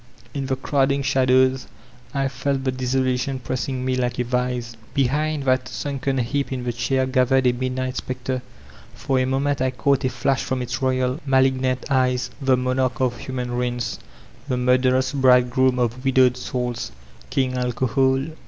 In the crowding shadows I felt the desolation pressing me like a vise. Behind that sunken heap in the chair gathered a midnight specter; for a moment I caught a flash from its royal, malignant eyes, the BConarch of human ruins, tiie murderous Brid^joom of widowed aouls, King Alcohol.